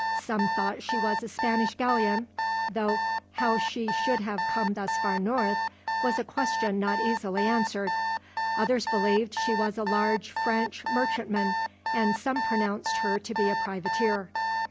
Some thought she was a Spanish galleon, though how she should have come thus far north was a question not easily answered. Others believed she was a large French merchantman, and some pronounced her to be a privateer.